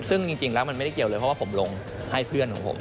ซึ่งจริงแล้วมันไม่ได้เกี่ยวเลยเพราะว่าผมลงให้เพื่อนของผม